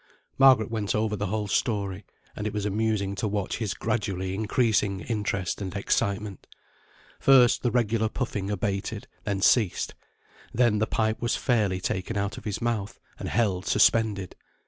Margaret went over the whole story, and it was amusing to watch his gradually increasing interest and excitement. First, the regular puffing abated, then ceased. Then the pipe was fairly taken out of his mouth, and held suspended.